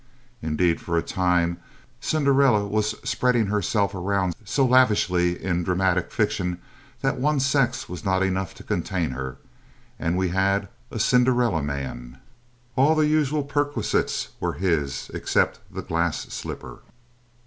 Indeed, for a time, Cinderella was spreading herself around so lavishly in dramatic fiction that one sex was not enough to contain her, and we had a Cinderella Man. All the usual perquisites were his except the glass slipper.